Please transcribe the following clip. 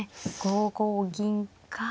５五銀か。